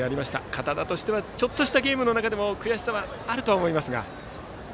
堅田としてはちょっとしたゲームの中でも悔しさはあると思いますが。